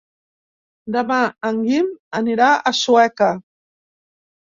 Demà en Guim anirà a Sueca.